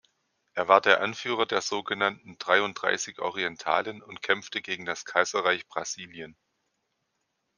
Er war der Anführer der sogenannten "Dreiunddreißig Orientalen" und kämpfte gegen das Kaiserreich Brasilien.